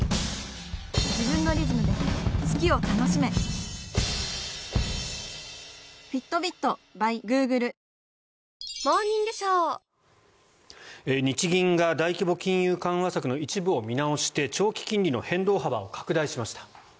ピンポーン日銀が大規模金融緩和策の一部を見直して長期金利の変動幅を拡大しました。